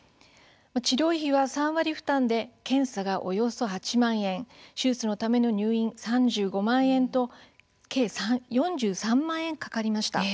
治療費は３割負担で検査がおよそ８万円手術のための入院が３５万円と計４３万円かかりました。